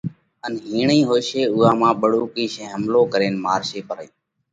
ان ھيڻئِي ھوشي اُوئا مانھ ٻۯُوڪئِي شين حملو ڪرينَ مارشي پرئِي